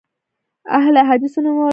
اهل حدیث ونومول شوه.